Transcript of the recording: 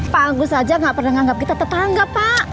pak agus aja nggak pernah anggap kita tetangga pak